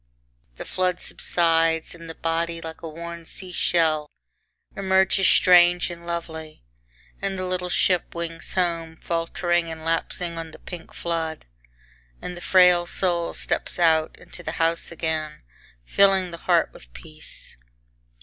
X The flood subsides, and the body, like a worn sea shell emerges strange and lovely. And the little ship wings home, faltering and lapsing on the pink flood, and the frail soul steps out, into the house again filling the heart with peace.